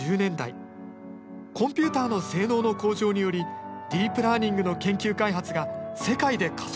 コンピューターの性能の向上によりディープラーニングの研究開発が世界で加速。